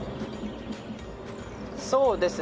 そうですね。